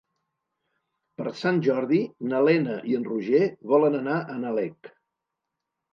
Per Sant Jordi na Lena i en Roger volen anar a Nalec.